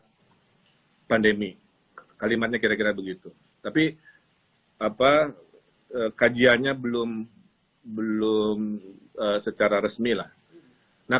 karena pandemi kalimatnya kira kira begitu tapi apa kajiannya belum belum secara resmi lah nah